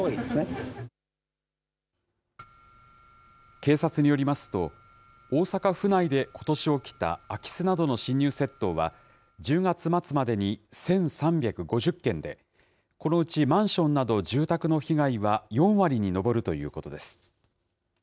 警察によりますと、大阪府内でことし起きた空き巣などの侵入窃盗は、１０月末までに１３５０件で、このうちマンションなど住宅の被害は、４割に上るということです。